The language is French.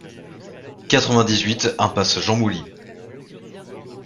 quatre-vingt-dix-huit impasse Jean Mouly